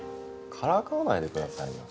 からかわないでくださいよ